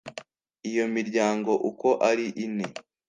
iyo miryango uko ari ine